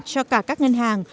cho cả các ngân hàng